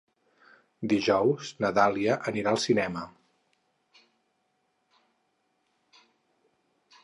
Dijous na Dàlia anirà al cinema.